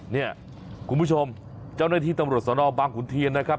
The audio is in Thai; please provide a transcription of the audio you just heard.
เนี่ยคุณผู้ชมเจ้าหน้าที่ตำรวจสนบางขุนเทียนนะครับ